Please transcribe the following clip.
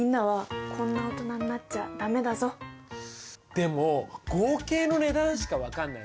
でも合計の値段しか分かんないじゃん。